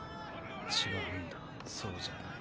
違うんだそうじゃない。